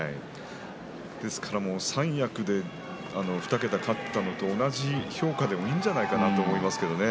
ですから三役で２桁勝ったのと同じ評価でもいいんじゃないかと思いますがね。